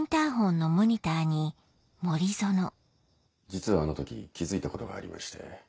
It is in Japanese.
実はあの時気付いたことがありまして。